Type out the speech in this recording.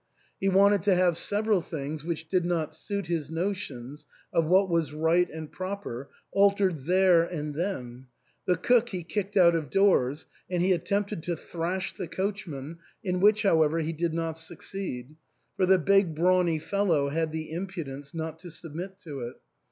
He wanted to have several things which did not suit his notions of what was right and proper altered there and then : the cook he kicked out of doors ; and he attempted to thrash the coachman, in which, however, he did not succeed, for the big brawny fellow had the impudence not to submit to it.